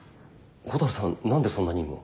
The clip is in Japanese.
蛍さん何でそんな任務を？